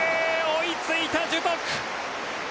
追いついた樹徳。